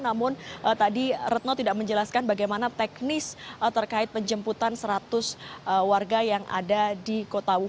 namun tadi retno tidak menjelaskan bagaimana teknis terkait penjemputan seratus warga yang ada di kota wuhan